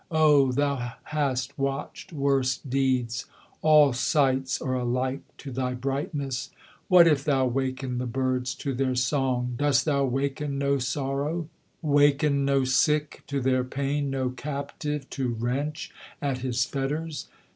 Oh, thou hast watched worse deeds! All sights are alike to thy brightness! What if thou waken the birds to their song, dost thou waken no sorrow; Waken no sick to their pain; no captive to wrench at his fetters?